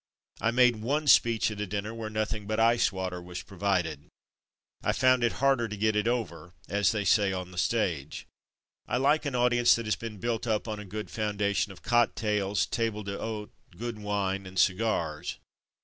I made one speech at a dinner where nothing but iced water was provided. I found it far harder to "get it over,'' as they say on the stage. I like an audience that has been built up on a good foundation of cocktails, table d'hote, good wine, and cigars.